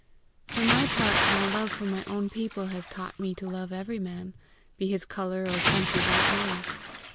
For my part, my love for my own people has taught me to love every man, be his colour or country what it may.